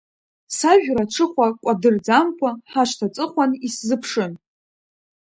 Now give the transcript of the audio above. Сажәра аҽыхәа кәадырӡамкәа Ҳашҭа аҵыхәан исзыԥшын.